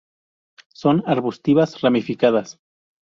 Son arbustivas ramificadas.